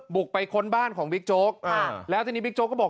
บุกไปค้นบ้านของบิ๊กโจ๊กแล้วทีนี้บิ๊กโจ๊ก็บอก